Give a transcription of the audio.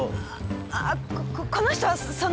ああっこの人はその！